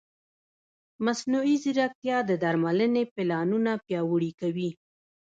مصنوعي ځیرکتیا د درملنې پلانونه پیاوړي کوي.